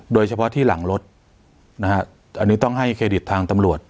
โดยเฉพาะที่หลังรถนะฮะอันนี้ต้องให้เครดิตทางตำรวจ